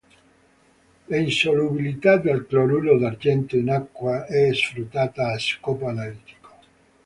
L'insolubilità del cloruro d'argento in acqua è sfruttata a scopo analitico.